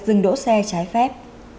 dừng đỗ xe trái phép